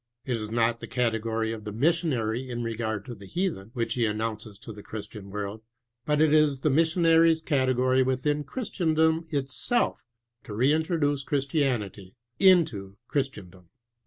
It is not the category of the missionary in regard to the heathen which he announces to the Christian world ; but it is the missionary's category within Christendom itself to reintroduce Christianity^ into Christendom."